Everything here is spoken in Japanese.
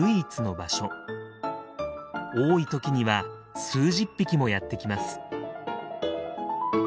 多い時には数十匹もやって来ます。